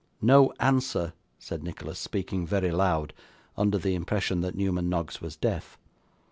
'No answer,' said Nicholas, speaking very loud, under the impression that Newman Noggs was deaf.